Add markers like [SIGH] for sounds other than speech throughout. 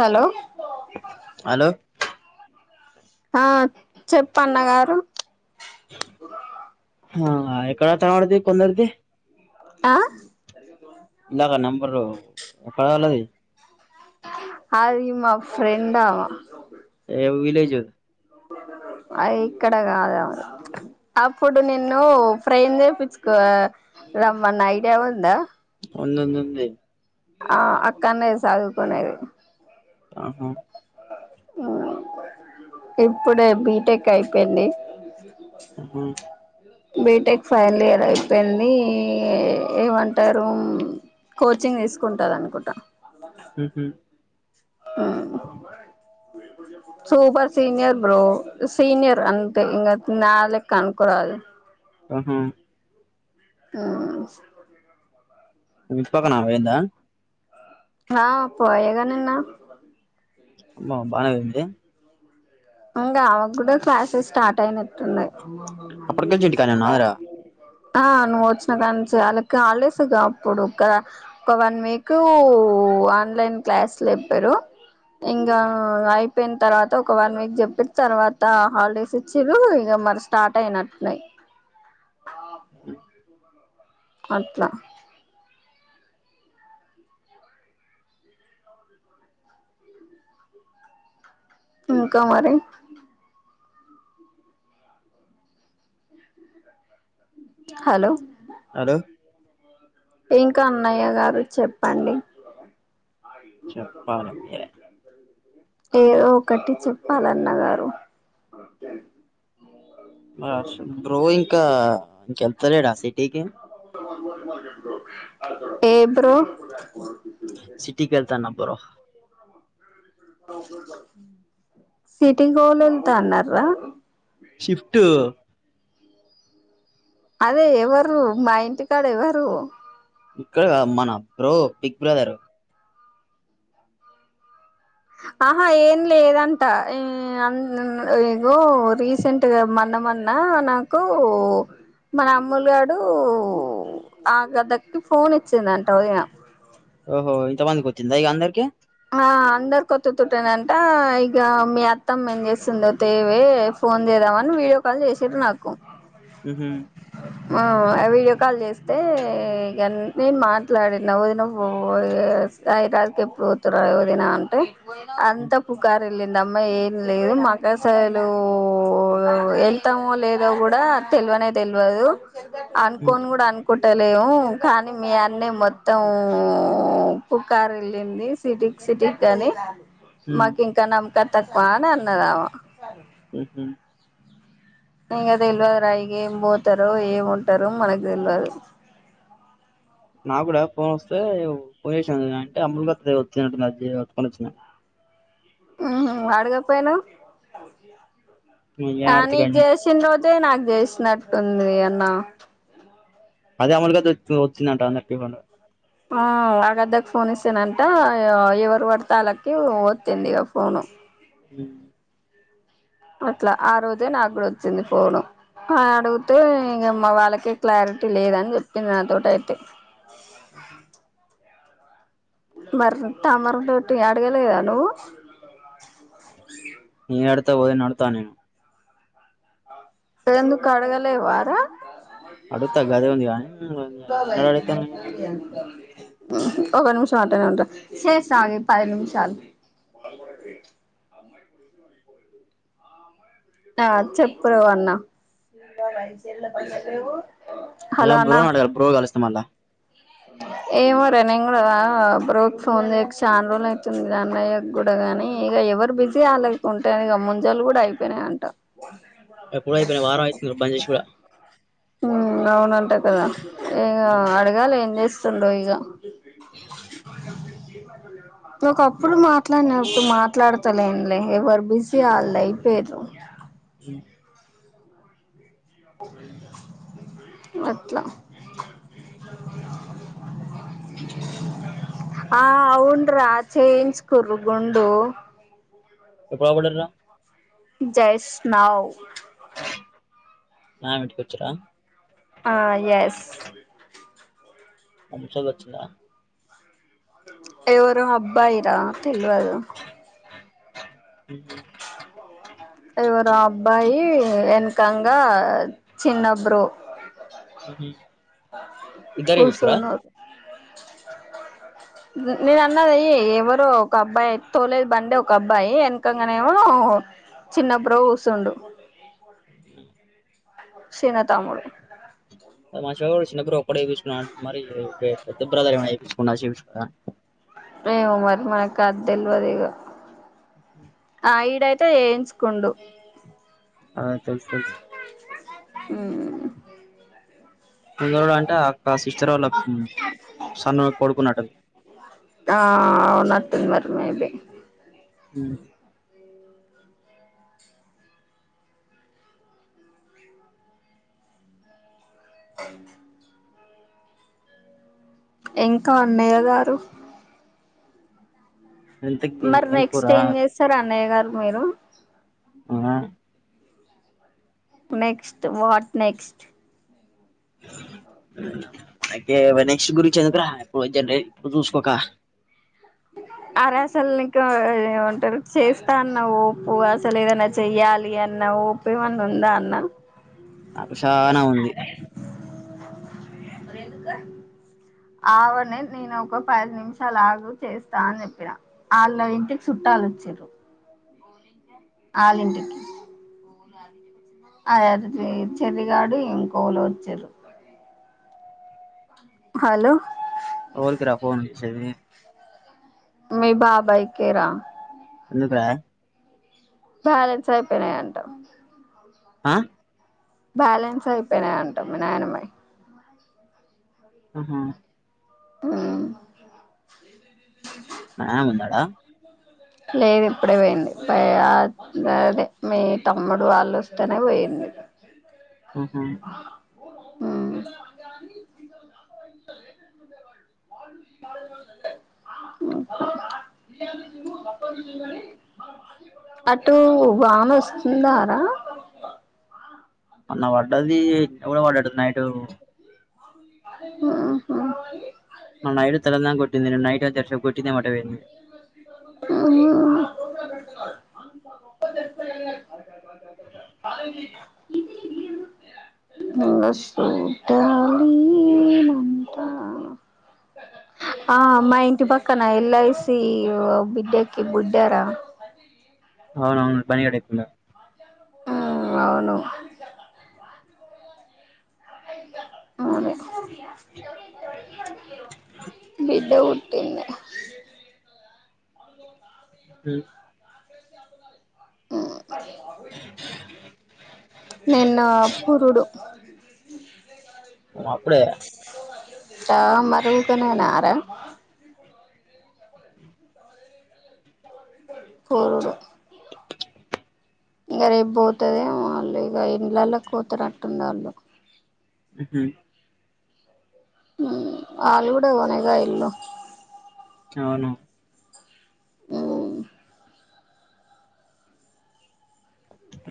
Hello hello ఆ చెప్ప అన్నగారు ఆ ఎక్కడ తడిది కొందరిది ఆ ఈయాల నెంబరు ఎక్కడ వాాలది అది మా ఫ్రెండ్ ఆమా ఏ విలేజ్ అ ఇక్కడ కాదు అప్పుడు నిన్ను ఫ్రెమ్ చేయిచ్చుకో రమ్మన్న ఐడియా ఉందా ఉన్ ఉంది వుంది ఆ అక్కనేది చదువుకునేది ఆహా ఉ ఇప్పుడే బీటెక్ అయిపోయింది ఆ హ బీటెక్ ఫైనల్ ఇయర్ అయిపోయింది ఏమంటారు కోచింగ్ తీసుకుంటది అనుకుంటా అ ఉహు హ సూపర్ సీనియర్ బ్రో సీనియర్ అంతే ఇంగ నాలుక్ కనుకురల్ ఆహా ఆ మీప్పప్పక్క లేదా హా పో ఏగానేన్నా అమ బన వింది ఇకా ఆమె కూడా క్లాసెస్ స్టార్ట్ అయినట్టున్నాయి ఓ అప్పటికెళ్ళి ఇంటికానే మ ఉన్నారా [UNINTELLIGIBLE] ఆ నువ్వు వచ్చిన కానీ వాళ్ళకి హాలిడేస్ అప్పుడు ఒక ఒక వన్ వీక్ ఓ ఆన్లైన్ క్లాసులు ఇప్పారు ఇంగా అయిపో పెయిన తర్వాత ఒకవన్ వీక్ చెప్పిన తర్వాత హాలిడేస్ ఇచ్చి్రు ఇక మరి స్టార్ట్ అయినట్టున్నాయి అ అట్లా ఇంకా మరి హలో అలో ఇంకా అన్నయ్య గారు చెప్పండి చెప్పాల మీరే ఏదో ఒకటి చెప్పాలన్నగారు బ్రో ఇంకా ఇంకెప్తలేడా సిటీకి ఏ బ్రో సిటీకిళ్తాన బరో సిటి హోల్ వెలు త అన్న రా షిఫ్ట్ అదే ఎవరు మా ఇంటికాడ ఎవరు ఇక్కడ మన బ్రో బిగ్ బ్రదర్ ఆహా ఏం లేదంట ఇ ఆ ఇగో రీసెంట్గా మన్న మన్న నాకు మన అమ్ములుగాడు ఆ గదక్కి ఫోన్ ఇచ్చిందంట ఉదయం ఓహో ఇంత మందికి వచ్చందా ఇక అందరికి అందరి కొత్తుతుట్టేనంట ఇక మీ అత్తమ్మ ఏం చేస్తుంద తేవ ఫోన్ చేద్దామ అని వీడియో కాల్ చేసారు నాకు ఉహూ ఆ వీడియో కాల్ చేస్తే ఇగ నేను మాట్లాడిన వదినవ్వుయి రాకి ఎప్పుడు తయోదిన అంటే అంత పుకారు లింది అమ్మా ఏం లేదు మాక్క సలు వెళ్తామో లేదో కూడా తెలివనే తెల్వదు అనుకోం ఉహు కూడా అనుకో పట్టలేము కానీ మీ అన్న మొత్తం పుకార్ వెళ్ళింది సిటీకి సిటీకి కాగానీ మాకి ఇంకా నా కట్టక్పో అన్నదావ ఉహు ఇక అద తెలివదు రాయి ఏం పోతారుో ఏం ఉంటారుో మనకు తెలివదు నాకు కూడా ఫోన్ వస్తే ఫోన్ చేసా అంటే అమ్మలుగా వచ్చిందిట్కొని వచ్చింది ఉ వాడుగప్పయను ఏం ఆడత కానీ జసి రోజ అే నాకు చేసినట్టుంది అన్న అదే అమలుగా తెచ్చి వచ్చిందంట అన్నట్టుగున్నాడు ఆ ఆగద్దకు ఫోన్ ఇస్తానంట ఎవ ఎవరు వాడతళ్కి ఓతింది ఫోను ఉమ్ అట్లా ఆ రోజే నాకు కూడా వచ్చింది ఫోను అ అడుగుతే ఇగా మా వాళ్ళకే క్లారిటీ లేదని చెప్పింది నాతోటైతే ఉ హుమ్ మర త మరి ఉందేంటి అడుగలేదా నువ్వు నతపోదే నదతా నేను ఎందుకడగలే వారు అడుగుతా గదే ఉంది కానీ ఎన్ ఎన్ ఎన్నడ అడుగుతాను నిన్ను నేను ఒక నిమిషం అట ఇటు శేషగే పది నిమిషాలు ఆ చెప్పారన్న ఏ బ్రో నేను బ్రో కలుస్తా మల్ల ఏమో రే నేను కూడా బ్రోక్ ఫోన్ చేయక చాన్రోజులు అవుతుంది అన్నయ్య కూడా కని ఇగా ఎవరు బిజీ అల్లకి ఉంటే ఇగా ముంజాలు కూడా అయిపోయినయి కా ఎప్పుడ అయిపోయినా వారం అయితుంది రబ్బం చేసి కూడా హ అవునుంటా కదా ఏం అడగాలి ఏం చేస్త సలుయగా టీన్ ను ఒక అప్పుడు మాట్లాడినప్పుడు మాట్లాడతలేంలే ఎవరు బిజీ వాళ్ళు అయిపోయారు ఉ అట్లా ఆ అవున్ర చేయించుకుర్రూ గుండు ఇప్పుడు ఎలా పెట్టారా జస్ట్ నౌ మా వింటికొచిర్రా ఆ ఎస్ అంషవచ్చిందా ఎవరో అబ్బాయీ రా తెల్వదు ఉమ్ హుమ్ ఎవరో అబ్బాయి వెనకంగా చిన్నబ్రో ఉ హుమ్ ఇద్దారే తీసుకుర్ర నే నేను అన్నాది ఎవరో ఒక అబ్బాయి తోలే బండి ఒక అబ్బాయి వెనకంగా మేము చిన్న బ్రో కూచండు సీన్న తమ్ముడు [UNINTELLIGIBLE] బ్రో ఎప్పుడే పిచ్చుకు న్న మరి పెద్ద బ్రదర్ ఏ పిచ్చుకున్న శివ్ వ్ ఆ ఏమో మరి మనకు అది తెలువది ఇగ ఆ ఇడైతే చేయించుకుండు ఆ తెలుసు తెలుసు హు ముందోడు అంటే అక్క సిస్టర్ వాళ్ళ సన్న కొడుకున్నట్ది ఆ అవునట్టుంది మరి మీది హ్ అ ఇంకా అన్నయ్య గారు ఇంతకి మరి నెక్స్ట్ కూరా ఏం చేస్తారు అన్నయ్య గారు మీరు వ నెక్స్ట్ వాట్ నెక్స్ట్ అయితే నెక్స్ట్ గురించి ఎందుకురా ఇప్పుడు జన ఇప్పుడు చూసుకోక అరే అసలు నీకు ఏ ఉంటారు చేస్తా అన్నవు అసలు ఏదైనా చెయ్యాలి అన్న ఓపు ఏమన్నా ఉందా అన్న నాకు చానా ఉంది ఆవనే నేను ఒక పదు నిమిషాలు ఆగు చేస్తా అని చెప్పినా వాళ్ళ ఇంటికి చుట్టాలు వచ్చిరు ఆలింటికి అదే చెర్రిగాడు ఇంకోలు వచ్చిరృ హలో ఎవనికి రా పోన్ చేసేది మీ బాబాయికిరా ఎందుకు రా బ్యాలెన్స్ అయిపోయినాయి అంట ఆ బ్యాలెన్స్ అయిపోయినాయి అంటా మి నాయనమ్మాయి ఆహా హు మా నానా ఉన్నడా లేదు ఇప్పుడే పోయింది. ప అదే మీ తమ్ముడు వాళ్ళుొస్తేనే పోయింది. ఆహా హు అటు వాన వస్తుందారా మొన్న పడ్డాది ఎ పడ్డాట్టు నైట్ ఆ హా మ అయిదు తలల కో నిన్న నైట్ జర సేపు హు చూడాలి అంటా ఆ మా ఇంటి పక్కన ఎల్ ఐ సి బిడ్డాకి బుడ్డార అవునవును ప్రవీణ్ గాడు చెప్పిండా ఉ అవును అే విదవు పన్న అ నిన్న పురుడు ఉ హామ్ అప్పుడే ట మరుగుకనే రా కోరోనా ఇంక రేపు పోతుదేో వాళ్ళు ఇక ఇంలలో కూతురుట్టుంది వాళ్ళు ఉహు ఆలు కూడాడ కొనగాయలో అవును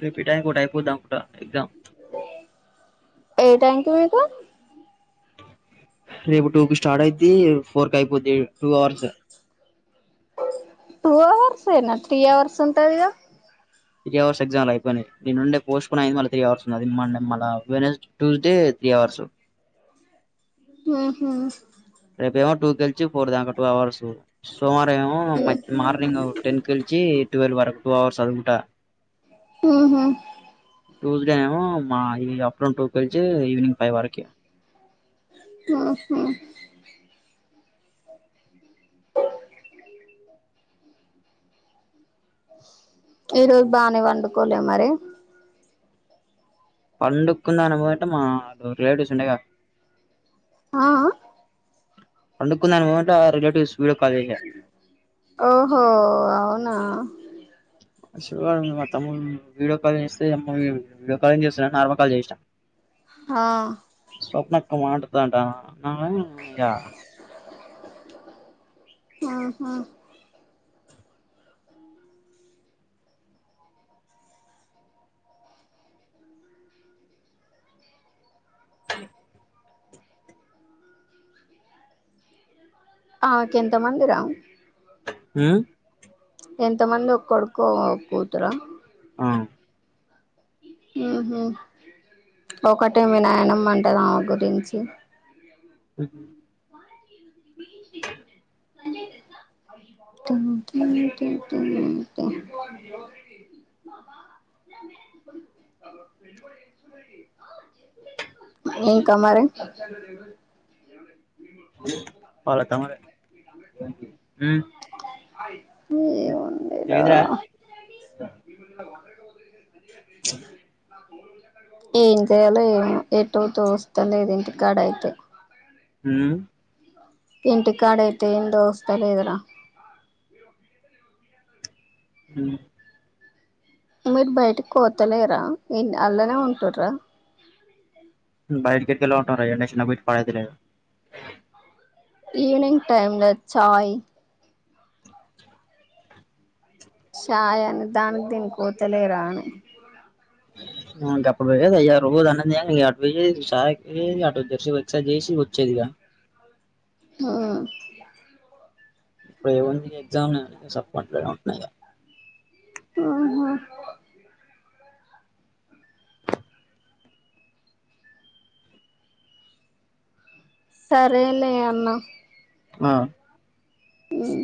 రేపీట్ అయికో అయిపోద్దాం ఎగ్జామ్ ఏ టైం తమిత రేపు టూ కి స్టార్ట్ అయిది ఫోర్ క అయిపోద్ టూ అవర్స్ టూ అవర్స్ అనా త్రీ అవర్స్ ఉంటదిగా త్రీ అవర్స్ ఎగ్జామ్లు అయిపోయి నేను నుండే పోస్ట్కుని అ మళ్ళ త్రీ అవర్స్ ఉ మళ్ళ ట్యూస్డే త్రీ అవర్స్ ఉహూ రేప ఏమో టూ కెల్చి ఫర్దాంక టూ అవర్స్ సోమవారం ఏమో మార్నింగ్ టెన్ కెలిచి ట్వెల్వ్ వరకు టూ అవర్స్ అదిగుంట ఉహు ట్యూస్డే ఏమో మా ఈ అప్టౌన్ టూ కలిచి ఈవనింగ్ ఫైవ్ వరకు ఉహూ హ ఈరోోజు బాగానే వండుకోలే మరి పండుకుంద అనుభవట మా రిటివ్స్ ఉంటకా ఆ అ పడుకుంద మ ఆ రిలేటివ్స్ వీడియో కాల్ చేసా ఓహో అవున్ నా అస మాతము వీడియో కాల్ంగ్ చేస్తే వీడియో కాాలింగ్ చేస్తున్నా నార్మల్ కాల్ చేసినా ఆ స్వప్నకు మాటదంటా నా య ఆహా ఆక ఎంతమంది రా ఊ ఎంత మంది ఒక్కడుకో కూతురు ఆ ఉహు ఒకటే వినాయనంమంటద ఆమె గురించి ఉహు టిమ్ టిమ్ టీం ఏం కామారే పలకమ ఊ లేద్రా ఏముందిరా చె ఏం చేయాలో ఏం ఇటుతోస్తలేదు ఇంటి కాడ అయితే హ్మ్ ఇంటి కాడ అయితే ఎం తోస్తలేదు ర ఉ మీరు బయటికి పోతలేరా అలానే ఉంటార్రా బైట గెట్ గంట నసిన బ పాయిది లేదు ఈవిెనింగ్ టైమ్ లో చాయ్ షాయ్ దానికి దీనికి పోతలేరా అని ఇకప్పుడు పోదు అయ్యా రోజు అన్నది అా అటుసిస చేసి వచ్చేది ఇక ఓ ఇప్పుడు ఏమంది ఎగ్జామ్నే సప్తలాలేదు ఇగా ఆహా సరే లే అన్న ఆ హ్మ్